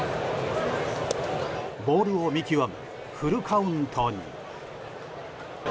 ボールを見極めフルカウントに。